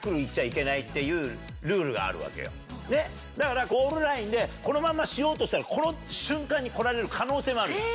だからゴールラインでこのまんましようとしたらこの瞬間に来られる可能性もあるじゃん